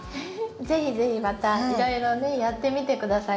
是非是非またいろいろねやってみて下さい。